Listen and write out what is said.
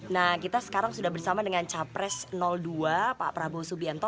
nah kita sekarang sudah bersama dengan capres dua pak prabowo subianto